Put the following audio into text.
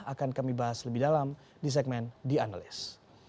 akan kami bahas lebih dalam di segmen the analyst